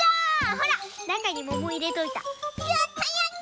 ほらなかにももいれといた。